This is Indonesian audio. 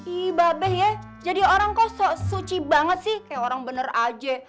ihh babe ya jadi orang kok suci banget sih kayak orang bener aja